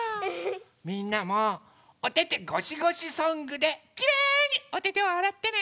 みんなもおててごしごしソングできれにおててをあらってね。